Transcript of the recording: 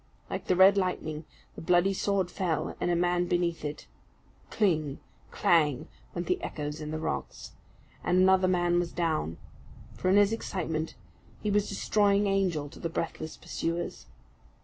Like the red lightning the bloody sword fell, and a man beneath it. Cling! clang! went the echoes in the rocks and another man was down; for, in his excitement, he was a destroying angel to the breathless pursuers.